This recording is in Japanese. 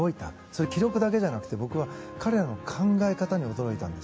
そういう記録だけじゃなくて彼らの考え方に驚きました。